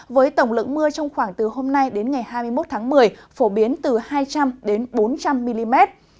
với tổng lượng mưa trong khoảng từ hôm nay đến ngày hai mươi một tháng một mươi phổ biến từ hai trăm linh bốn trăm linh mm